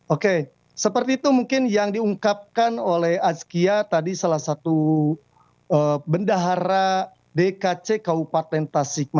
oke seperti itu mungkin yang diungkapkan oleh azkia tadi salah satu bendahara dkc kabupaten tasikmala